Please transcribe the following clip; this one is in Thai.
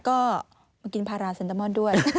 ก็มากินพาราเซนตามอนด้วย